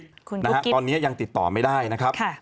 คุณนะฮะตอนนี้ยังติดต่อไม่ได้นะครับ